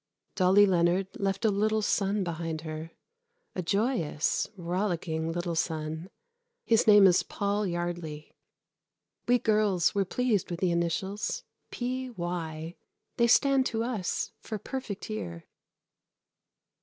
Dolly Leonard left a little son behind her a joyous, rollicking little son. His name is Paul Yardley. We girls were pleased with the initials P.Y. They stand to us for "Perfect Year."